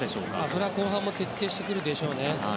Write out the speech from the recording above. それは後半も徹底してくるでしょうね。